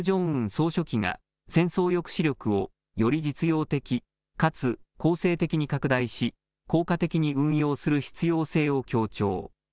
総書記が戦争抑止力をより実用的かつ攻勢的に拡大し効果的に運用する必要性を強調。